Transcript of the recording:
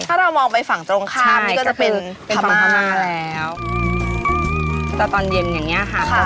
ถ้าเรามองไปฝั่งตรงข้ามใช่ก็จะเป็นธรรมาแล้วเป็นฝั่งธรรมาแล้วแต่ตอนเย็นอย่างเงี้ยค่ะค่ะ